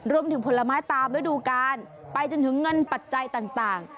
รวมถึงผลไม้ตามและดูการไปจนถึงเงินปัจจัยต่าง